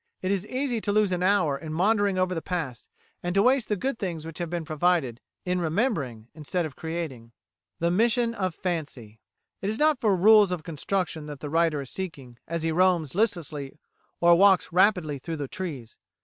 It is easy to lose an hour in maundering over the past, and to waste the good things which have been provided, in remembering instead of creating!" The Mission of Fancy "It is not for rules of construction that the writer is seeking, as he roams listlessly or walks rapidly through the trees.